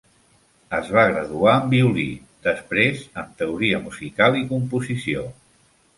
Es va graduar en violí, després en teoria musical i composició.